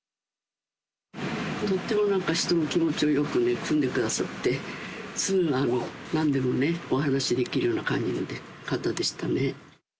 とても人の気持ちをよくくんでくださって、すぐなんでもお話しできるような感じの方でしたね。